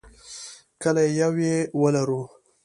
کله یو یې ولرو.